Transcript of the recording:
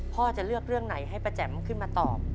พ่อจะเลือกเรื่องไหนให้ครับ